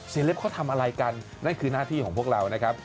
เล็บเขาทำอะไรกันนั่นคือหน้าที่ของพวกเรานะครับ